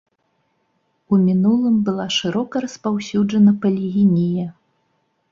У мінулым была шырока распаўсюджана палігінія.